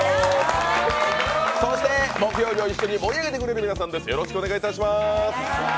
そして、木曜日を一緒に盛り上げてくれる皆さんです。